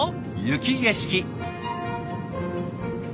雪景色。